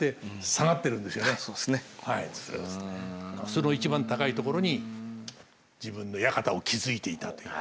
その一番高いところに自分の館を築いていたという。